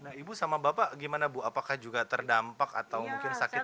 nah ibu sama bapak gimana bu apakah juga terdampak atau mungkin sakit